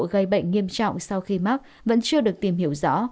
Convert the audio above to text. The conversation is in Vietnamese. gây bệnh nghiêm trọng sau khi mắc vẫn chưa được tìm hiểu rõ